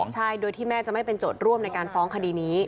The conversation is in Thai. ใช่โดยที่แม่จะไม่เป็นโจทย์ร่วมในการฟ้องคดีนี้